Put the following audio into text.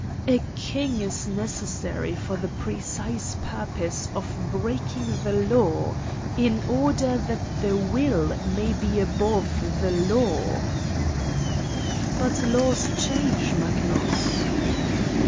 A king is necessary for the precise purpose of breaking the law, in order that the will may be above the law!" "But laws change, Magnus."